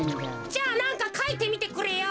じゃあなんかかいてみてくれよ。